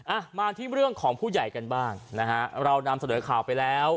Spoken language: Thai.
อ่ะมาที่เรื่องของผู้ใหญ่กันบ้างนะฮะเรานำเสนอข่าวไปแล้ว